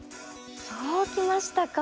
そうきましたか。